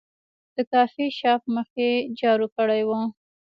د کافي شاپ مخ یې جارو کړی و.